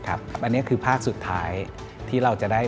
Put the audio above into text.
อันนี้คือภาคสุดท้ายที่เราจะได้